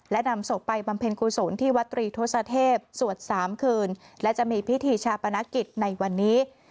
และนำศพไปบำเพ็ญกุศลที่วัตรีทศเทพสวด๓คืนและจะมีพิธีชาปนกิจในวันนี้